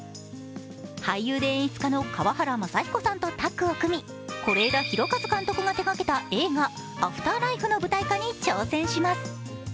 俳優で演出家の河原雅彦さんとタッグを組み、是枝裕和監督が手がけた映画「アフターライフ」の舞台化に挑戦します。